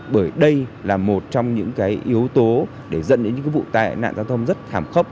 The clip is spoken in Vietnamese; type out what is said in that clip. bởi đây là một trong những yếu tố để dẫn đến những vụ tai nạn giao thông rất thảm khốc